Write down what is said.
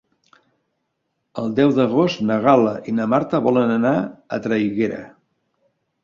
El deu d'agost na Gal·la i na Marta volen anar a Traiguera.